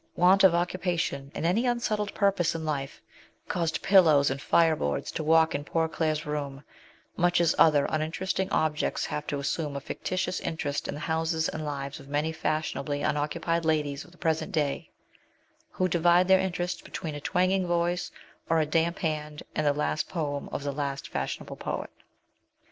Want of occupation and any settled purpose in life caused pillows and fire boards to walk in poor Claire's room, much as other uninteresting objects have to assume a fictitious interest in the houses and lives of many fashionably unoccupied ladies of the present day, who divide their interest between a twanging voice or a damp hand and the last poem of the last fashionable poet.